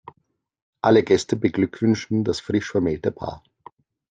Alle Gäste beglückwünschen das frisch vermählte Paar.